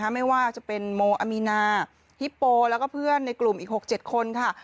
ไม่ว่าจะเป็นโมอามีนาฮิปโปแล้วก็เพื่อนในกลุ่มอีก๖๗คนค่ะ